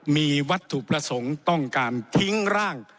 มีวัตถุประสงค์ต้องการทิ้งร่าง